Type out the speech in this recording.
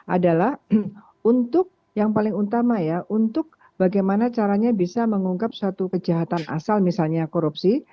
adalah untuk yang paling utama ya untuk bagaimana caranya bisa mengungkap suatu kejahatan asal misalnya korupsi